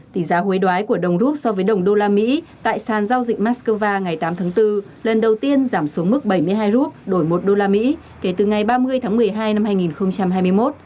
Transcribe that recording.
tỷ giá hối đoái của đồng rút so với đồng usd tại sàn giao dịch moscow ngày tám tháng bốn lần đầu tiên giảm xuống mức bảy mươi hai rút đổi một usd kể từ ngày ba mươi tháng một mươi hai năm hai nghìn hai mươi một